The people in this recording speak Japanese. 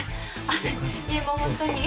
あっ！